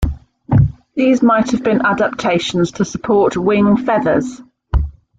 These might have been adaptations to support wing feathers.